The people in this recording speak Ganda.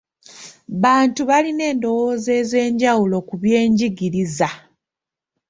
Bantu balina endowooza ez'enjawulo ku byenjigiriza.